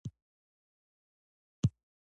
دا د کمیسیون رییس ته راپور ورکوي.